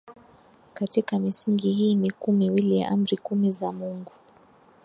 katika misingi hii mikuu miwili ya Amri kumi za Mungu